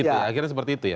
akhirnya seperti itu ya